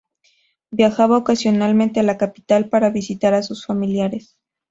Viajaba ocasionalmente a la capital para visitar a sus familiares.